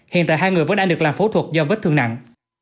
hiện tại hai người vẫn đang được làm phẫu thuật do vết thương nặng